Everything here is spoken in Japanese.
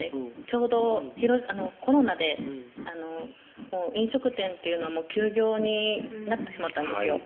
ちょうどコロナで飲食店っていうのも休業になってしまったんですよ